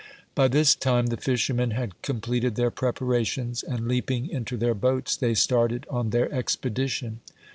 By this time the fishermen had completed their preparations and, leaping into their boats, they started on their expedition.